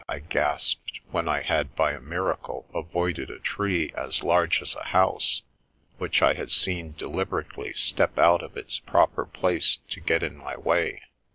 I gasped, when I had by a miracle avoided a tree as large as a house, which I had seen deliberately step out of its proper place to get in my way.